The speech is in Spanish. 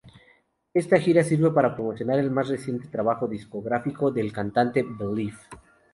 Esta gira sirve para promocionar el más reciente trabajo discográfico del cantante: Believe.